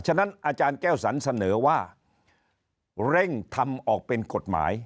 ฉะนั้นอาจารย์แก้วสันเสนอว่าเร่งทำออกเป็นกฎหมาย